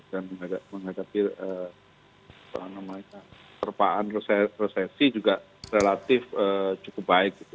dan menghadapi perpaan resesi juga relatif cukup baik gitu